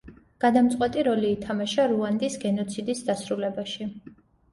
გადამწყვეტი როლი ითამაშა რუანდის გენოციდის დასრულებაში.